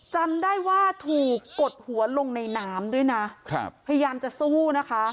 จำได้ว่าถูกกดหัวลงในน้ำด้วยนะครับพยายามจะสู้นะคะ